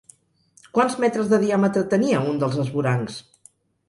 Quants metres de diàmetre tenia un dels esvorancs?